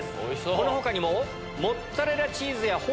この他にも。